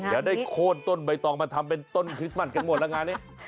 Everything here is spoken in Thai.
เดี๋ยวได้โค้นต้นใบตองมาทำเป็นต้นคริสต์มัสกันหมดแล้วงานนี้